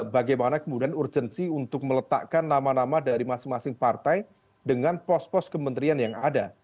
bagaimana kemudian urgensi untuk meletakkan nama nama dari masing masing partai dengan pos pos kementerian yang ada